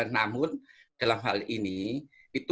namun dalam hal ini